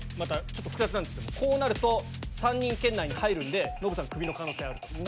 ちょっと複雑なんですけどこうなると３人圏内に入るんでノブさんクビの可能性あると。